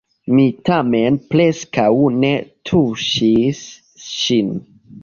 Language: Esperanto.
Mi tamen preskaŭ ne tuŝis ŝin.